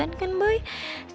mau keau lagi salah nih